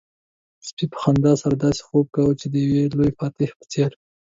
سپي په خندا سره داسې خوب کاوه چې د يو لوی فاتح په څېر.